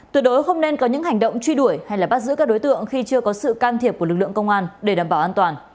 tuyệt đối không nên có những hành động truy đuổi hay bắt giữ các đối tượng khi chưa có sự can thiệp của lực lượng công an để đảm bảo an toàn